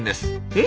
え？